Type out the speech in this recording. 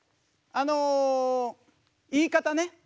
あの言い方ね。